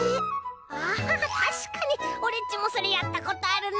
ああたしかにオレっちもそれやったことあるな。